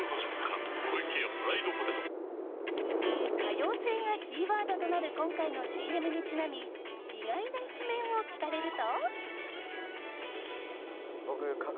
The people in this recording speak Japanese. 多様性がキーワードとなる今回のＣＭにちなみ意外な一面を聞かれると。